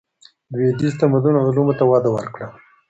لوېدیځ تمدن علومو ته وده ورکړه.